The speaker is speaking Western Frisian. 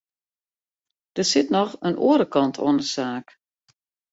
Der sit noch in oare kant oan de saak.